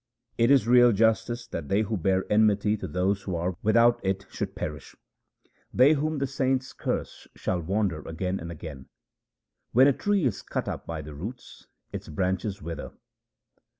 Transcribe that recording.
It is real justice that they who bear enmity to those who are without it should perish. They whom the saints curse shall wander again and again : When a tree is cut up by the roots, its branches wither.